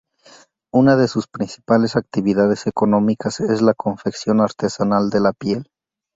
Una de sus principales actividades económicas es la confección artesanal de la piel.